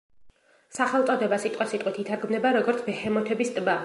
სახელწოდება სიტყვასიტყვით ითარგმნება, როგორც „ბეჰემოთების ტბა“.